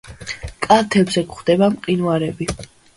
კალთებზე გვხვდება მყინვარები.